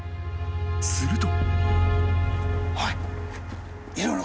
［すると］